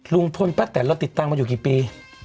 ลุงพลป้าแตนเราติดตามมาอยู่กี่ปี